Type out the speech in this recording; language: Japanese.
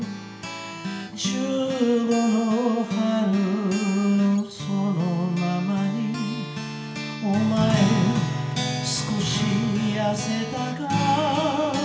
「十五の春のそのままにお前少しやせたか」